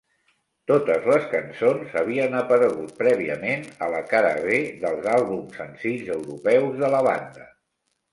Totes les cançons havien aparegut prèviament a la cara B dels àlbums senzills europeus de la banda.